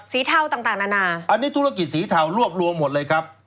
เทาต่างนานาอันนี้ธุรกิจสีเทารวบรวมหมดเลยครับ